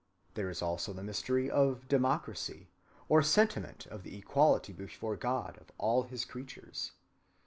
There is also the mystery of democracy, or sentiment of the equality before God of all his creatures.